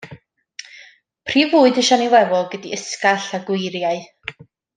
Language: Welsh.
Prif fwyd y siani flewog ydy ysgall a gweiriau.